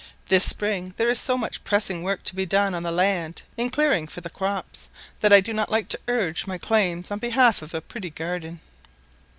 This spring there is so much pressing work to be done on the land in clearing for the crops, that I do not like to urge my claims on behalf of a pretty garden.